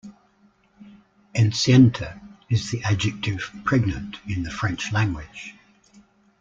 Enceinte is the adjective 'pregnant' in the French language.